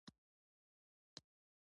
د افغانستان پاچاهي ټوټه ټوټه شي.